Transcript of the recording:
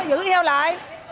giữ heo lại